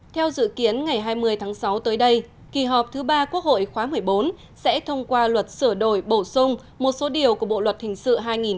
theo dự kiến ngày hai mươi tháng sáu tới đây kỳ họp thứ ba quốc hội khóa một mươi bốn sẽ thông qua luật sửa đổi bổ sung một số điều của bộ luật hình sự hai nghìn một mươi năm